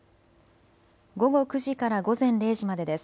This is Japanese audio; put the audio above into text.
午後９時から午前０時までです。